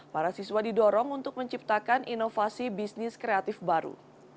para siswa didorong untuk menciptakan inovasi bisnis kreatif baru